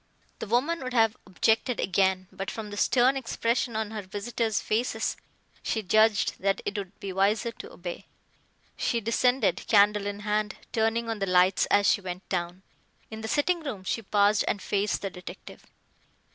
The woman would have objected again, but from the stern expression on her visitors' faces she judged that it would be wiser to obey. She descended, candle in hand, turning on the lights as she went down. In the sitting room she paused and faced the detective.